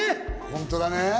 本当だね。